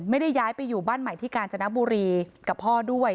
ย้ายไปอยู่บ้านใหม่ที่กาญจนบุรีกับพ่อด้วย